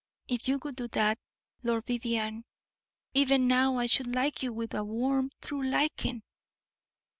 If you would do that, Lord Vivianne, even now I should like you with a warm, true liking."